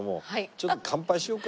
ちょっと乾杯しようか。